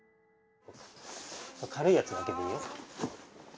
軽いやつだけでいいよ。